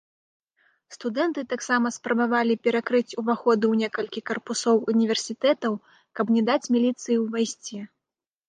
Студэнты таксама спрабавалі перакрыць уваходы ў некалькі карпусоў універсітэтаў, каб не даць міліцыі ўвайсці.